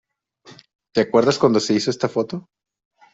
¿ te acuerdas de cuando se hizo esa foto?